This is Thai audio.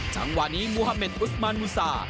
จังหวะนี้มูฮาเมนอุสมานมูซา